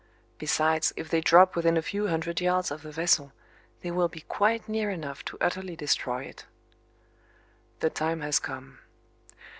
Besides, if they drop within a few hundred yards of the vessel, they will be quite near enough to utterly destroy it. The time has come.